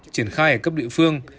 triển khai ở cấp địa phương